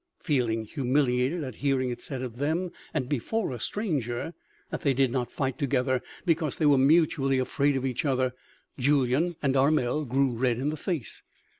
Feeling humiliated at hearing it said of them, and before a stranger, that they did not fight together because they were mutually afraid of each other, Julyan and Armel grew red in the face.